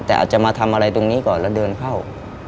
แต่อาจจะมาทำอะไรตรงนี้ก่อนแล้วเดินเข้า